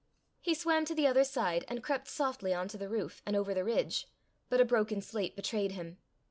He swam to the other side, and crept softly on to the roof, and over the ridge. But a broken slate betrayed him.